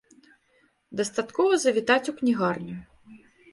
Дастаткова завітаць у кнігарню.